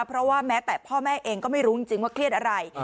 เพราะว่าแม้แต่พ่อแม่เองก็ไม่รู้จริงว่าเครียดอะไร